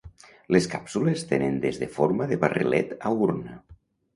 Les càpsules tenen des de forma de barrilet a urna.